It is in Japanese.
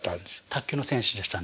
卓球の選手でした。